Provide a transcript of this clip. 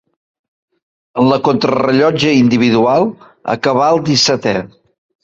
En la contrarellotge individual acabà el dissetè.